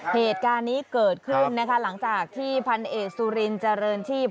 เหตุการณ์นี้เกิดขึ้นนะคะหลังจากที่พันเอกสุรินเจริญชีพ